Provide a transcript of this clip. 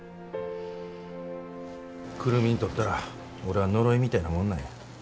久留美にとったら俺は呪いみたいなもんなんや。